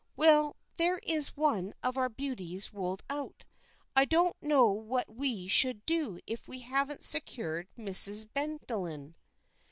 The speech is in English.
"Well, there is one of our beauties ruled out. I don't know what we should do if we hadn't secured Mrs. Bellenden."